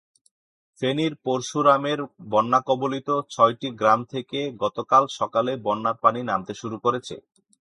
ফেনীর পরশুরামের বন্যাকবলিত ছয়টি গ্রাম থেকে গতকাল সকালে বন্যার পানি নামতে শুরু করেছে।